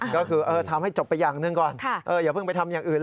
ก็คือทำให้จบไปอย่างหนึ่งก่อนอย่าเพิ่งไปทำอย่างอื่น